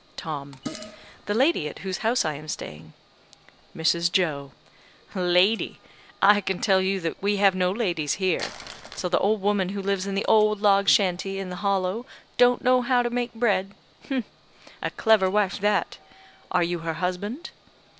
Tom: "The lady at whose house I am staying." Mrs. Joe: "Lady! I can tell you that we have no ladies here. So the old woman who lives in the old log shanty in the hollow don't know how to make bread. A clever wife that! Are you her husband?"